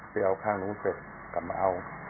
ไปเอาข้างนู้นเสร็จกลับมาเอา